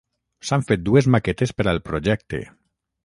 S'han fet dues maquetes per al projecte.